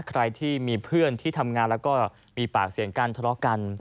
ใครที่มีเพื่อนที่ทำงานแล้วก็มีปากเสียงกันทะเลาะกัน